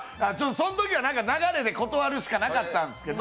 そのときは流れで断るしかなかったんですけど。